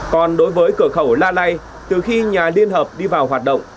còn đối với cửa khẩu la lai từ khi nhà liên hợp đi vào hoạt động